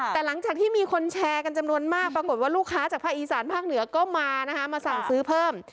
แต่หลังจากที่มีคนแชร์กันจำนวนมากปรากฏว่าลูกค้าจากภาคอีสานภาคเหนือก็มานะคะมาสั่งซื้อเพิ่ม